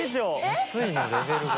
安いのレベルが。